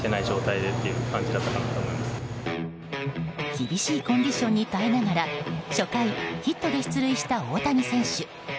厳しいコンディションに耐えながら初回、ヒットで出塁した大谷選手。